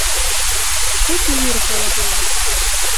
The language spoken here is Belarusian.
Хоць у вір галавою!